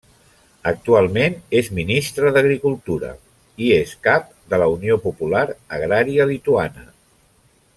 Actualment és ministra d'agricultura i és cap de la Unió Popular Agrària Lituana.